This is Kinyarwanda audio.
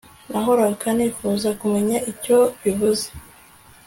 Nahoraga nifuza kumenya icyo bivuze